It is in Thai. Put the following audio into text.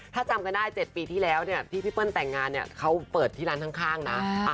ถ้าจำกันได้๗ปีที่แล้วเนี่ยที่พี่เปิ้ลแต่งงานเนี่ยเขาเปิดที่ร้านข้างนะ